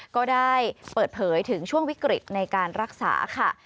ก็ได้เปิดเผยถึงช่วงวิกฤตในการรักษาค่ะ